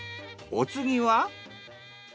お次は。